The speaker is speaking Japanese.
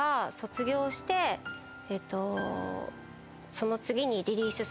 その次に。